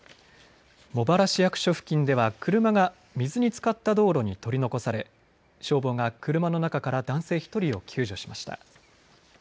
茂原市役所付近では車が水に漬かった道路に取り残され消防が車の中から男性１人を救助しました。